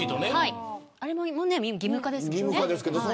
あれも今、義務化ですもんね。